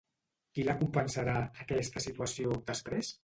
Qui la compensarà, aquesta situació, després?